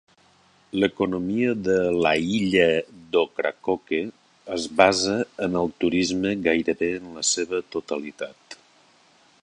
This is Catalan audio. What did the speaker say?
L'economia de la illa d'Ocracoke es basa en el turisme gairebé en la seva totalitat.